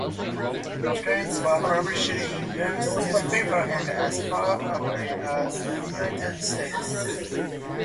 Obituaries were published in Welsh newspapers and as far away as the United States.